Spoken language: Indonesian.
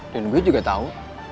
dan gue juga tau